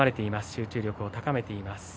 集中力を高めています。